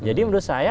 jadi menurut saya